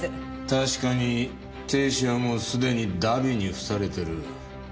確かに亭主はもうすでに荼毘にふされてる。